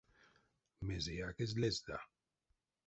Мезеяк эзь лезда.